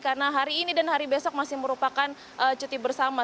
karena hari ini dan hari besok masih merupakan cuti bersama